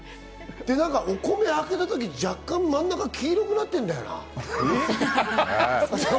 お米、開けた時、若干真ん中、黄色くなってるんだよな。